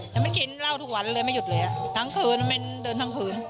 แต่มันกินเหล้าทุกวันเลยไม่หยุดเลยทั้งคืนมันเดินทั้งคืน